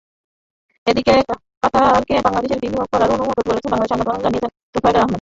এদিকে কাতারকে বাংলাদেশে বিনিয়োগ করার অনুরোধ করেছেন বলে সাংবাদিকদের জানান তোফায়েল আহমেদ।